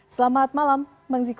selamat malam bang ziko